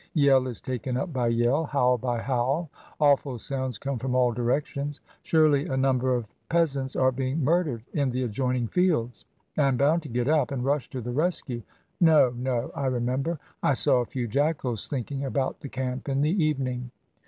Yell is taken up by yell, howl by howl. Awful sounds come from all directions. Surely a number of peasants are being murdered in the adjoining fields. I am bound to get up and rush to the rescue. No, no, I remember. I saw a few jackals sHnk ing about the camp in the evening.